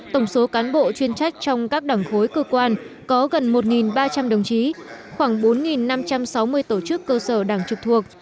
tổng số cán bộ chuyên trách trong các đảng khối cơ quan có gần một ba trăm linh đồng chí khoảng bốn năm trăm sáu mươi tổ chức cơ sở đảng trực thuộc